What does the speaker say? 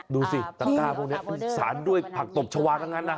ดูสิตะก้าพวกนี้สารด้วยผักตบชาวาทั้งนั้นนะ